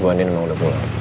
bu andien emang udah pulang